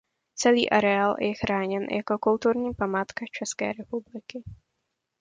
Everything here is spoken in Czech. Celý areál je chráněn jako kulturní památka České republiky.